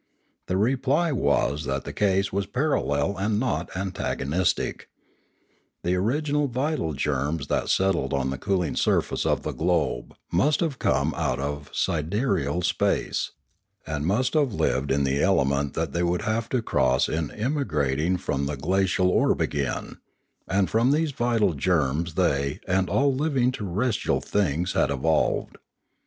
The reply was that the case was parallel and not antagonistic. The original vital germs that set tled on the cooling surface of the globe must have come out of sidereal space, and must have lived in the element that they would have to cross in emigrating from the glacial orb again; and from these vital germs they, and all living terrestrial things, had evolved.